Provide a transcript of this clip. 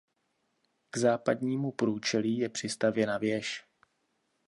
K západnímu průčelí je přistavěna věž.